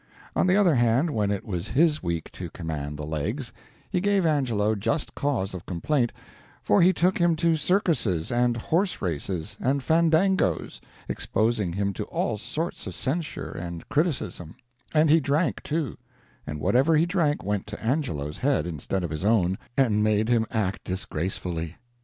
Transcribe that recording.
On the other hand, when it was his week to command the legs he gave Angelo just cause of complaint, for he took him to circuses and horse races and fandangoes, exposing him to all sorts of censure and criticism; and he drank, too; and whatever he drank went to Angelo's head instead of his own and made him act disgracefully.